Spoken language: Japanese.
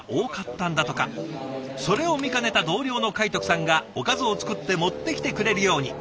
それを見かねた同僚の海徳さんがおかずを作って持ってきてくれるように。